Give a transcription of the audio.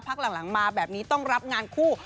พักหลังมาแบบนี้ต้องรับงานคู่